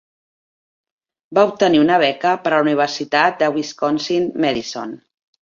Va obtenir una beca per a la Universitat de Wisconsin-Madison.